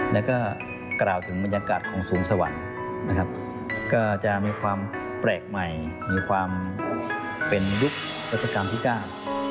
แล้วก็กล่าวถึงบรรยากาศของสวงสวรรค์นะครับก็จะมีความแปลกใหม่มีความเป็นยุครัชกาลที่เก้า